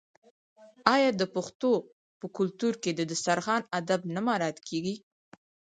آیا د پښتنو په کلتور کې د دسترخان اداب نه مراعات کیږي؟